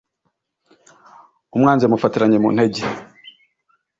umwanzi yamufatiranye mu ntege